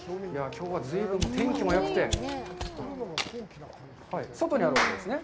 きょうは随分、天気もよくて、外にあるわけですね。